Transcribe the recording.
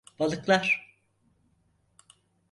Balıklar.